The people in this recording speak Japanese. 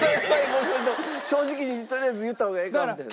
もうホント正直にとりあえず言った方がええか」みたいな。